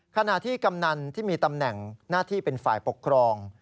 ขณะที่กำนันที่มีตำแหน่งหน้าที่เป็นฝ่ายปกครอง